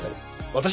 私？